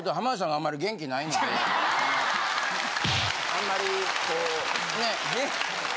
あんまりこうね。